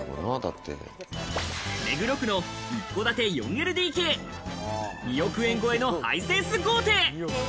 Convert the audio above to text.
目黒区の一戸建て４ＬＤＫ、２億円超えのハイセンス豪邸。